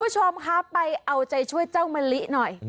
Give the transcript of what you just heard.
คุณผู้ชมคะไปเอาใจช่วยเจ้ามะลิหน่อย